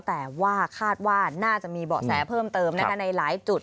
แต่ว่าคาดว่าน่าจะมีเบาะแสเพิ่มเติมในหลายจุด